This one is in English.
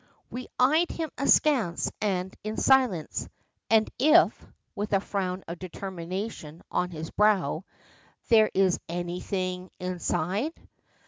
We eyed him askance and in silence. "And if," with a frown of determination on his brow, "there is anything inside!"